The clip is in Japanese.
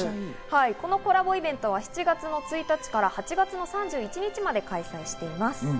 このコラボイベントは７月１日から８月３１日まで開催しています。